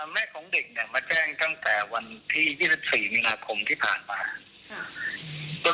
แม่ของเด็กเนี่ยมาแจ้งตั้งแต่วันที่๒๔มีนาคมที่ผ่านมา